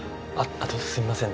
あとすいません